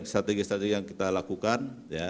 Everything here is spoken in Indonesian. strategi strategi yang kita lakukan